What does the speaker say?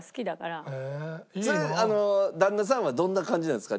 それあの旦那さんはどんな感じなんですか？